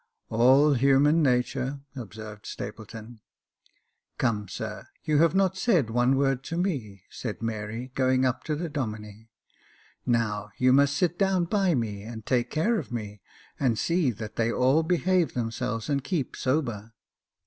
"All human natur," observed Stapleton. " Come, sir, you have not said one word to me," said Mary, going up to the Domine. "Now, you must sit down by me, and take care of me, and see that they all behave themselves and keep sober."